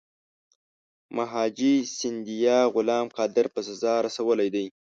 مهاجي سیندیا غلام قادر په سزا رسولی دی.